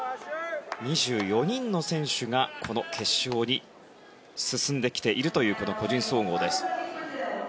２４人の選手がこの決勝に進んできているというこの個人総合です。